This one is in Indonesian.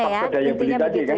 ya karena pas ke daya beli tadi kan